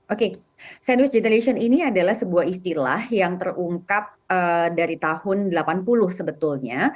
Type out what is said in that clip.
oke sandwich generation ini adalah sebuah istilah yang terungkap dari tahun delapan puluh sebetulnya